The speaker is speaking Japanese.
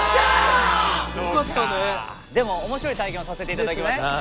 でも面白い体験をさせていただきました。